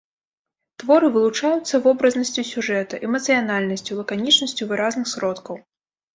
Творы вылучаюцца вобразнасцю сюжэта, эмацыянальнасцю, лаканічнасцю выразных сродкаў.